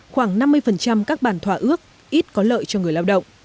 khoảng năm mươi các bản thỏa ước ít có lợi cho người lao động